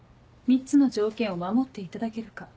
３つの条件を守っていただけるか。